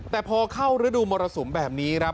แต่พอเข้าฤดูมรสุมแบบนี้ครับ